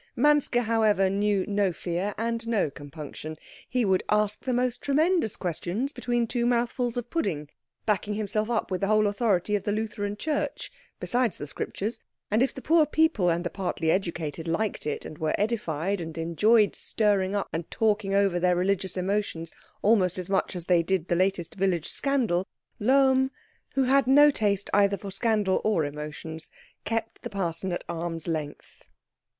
Manske, however, knew no fear and no compunction. He would ask the most tremendous questions between two mouthfuls of pudding, backing himself up with the whole authority of the Lutheran Church, besides the Scriptures; and if the poor people and the partly educated liked it, and were edified, and enjoyed stirring up and talking over their religious emotions almost as much as they did the latest village scandal, Lohm, who had no taste either for scandal or emotions, kept the parson at arm's length.